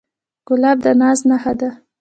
ګلاب د ناز نخښه ده.